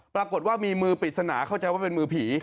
ปรากฏว่ามีมือปริศนาเข้าใจว่าเป็นมือผี